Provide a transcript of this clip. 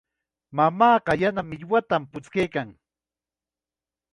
Mamaaqa yana millwatam puchkaykan.